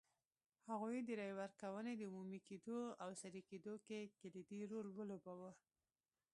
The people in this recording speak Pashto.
هغوی د رایې ورکونې د عمومي کېدو او سري کېدو کې کلیدي رول ولوباوه.